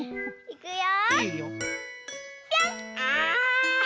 いくよ！